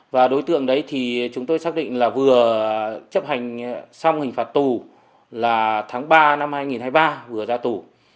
và đối tượng đấy thì chúng tôi xác định là vừa chấp hành xong hình phạt tù là tháng ba năm hai nghìn hai mươi ba vừa ra tù